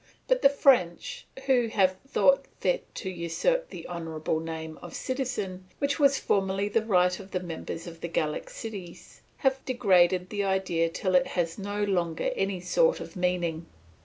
But the French, who have thought fit to usurp the honourable name of citizen which was formerly the right of the members of the Gallic cities, have degraded the idea till it has no longer any sort of meaning.